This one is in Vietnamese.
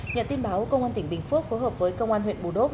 nhận tin báo công an tỉnh bình phước phối hợp với công an huyện bù đốp